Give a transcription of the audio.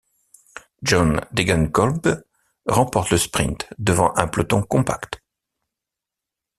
John Degenkolb remporte le sprint devant un peloton compact.